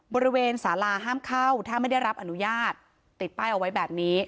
บริเวณสาราห้ามเข้าถ้าไม่ได้รับอนุญาตติดป้ายเอาไว้แบบนี้